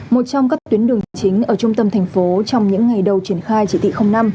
một trong các tuyến đường chính ở trung tâm thành phố trong những ngày đầu triển khai chỉ thị năm